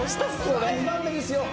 ２番目ですよ。